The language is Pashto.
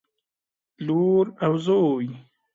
لور او زوى